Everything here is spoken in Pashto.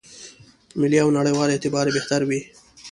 ملي او نړېوال اعتبار یې بهتر وي.